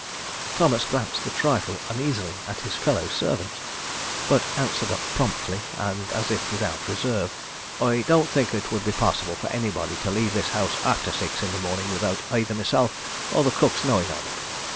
Thomas glanced a trifle uneasily at his fellow servants, but answered up promptly and as if without reserve: "I don't think it would be possible for anybody to leave this house after six in the morning without either myself or the cook's knowing of it.